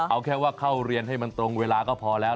เอาแค่ว่าเข้าเรียนให้มันตรงเวลาก็พอแล้ว